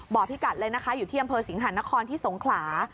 พิกัดเลยนะคะอยู่ที่อำเภอสิงหานครที่สงขลา